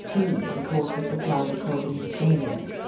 2, The Course of the Blood according to Galen (A.